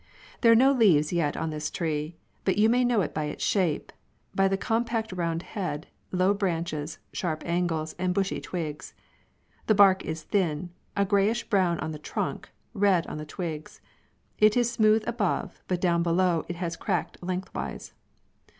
There are no leaves yet on this tree, but you may know it by its shape, by the com wiNTER P^^^ round head, low branches, sharp angles Buds, and bushy twigs. The bark is thin, a gray ish brown on the trunk, red on the twigs. It is smooth above, but down below it has cracked lengthwise.